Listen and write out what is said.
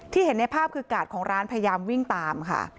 เห็นในภาพคือกาดของร้านพยายามวิ่งตามค่ะ